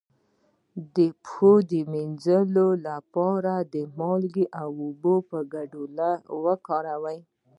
د پښو د مینځلو لپاره د مالګې او اوبو ګډول وکاروئ